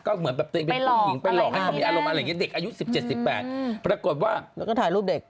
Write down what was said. ก็เหมือนแบบตัวเองเป็นผู้หญิงไปหลอกให้เขามีอารมณ์อะไรอย่างนี้เด็กอายุ๑๗๑๘ปรากฏว่าแล้วก็ถ่ายรูปเด็ก